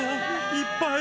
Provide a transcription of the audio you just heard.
いっぱい。